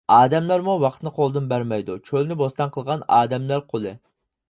ئادەملەرمۇ ۋاقىتنى قولدىن بەرمەيدۇ، چۆلنى بوستان قىلغان ئادەملەر قولى.